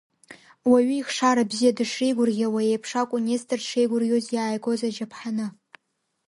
Уаҩы ихшара бзиа дышреигәырӷьауа еиԥш акәын Нестор дшеигәырӷьоз иааигоз аџьаԥҳаны.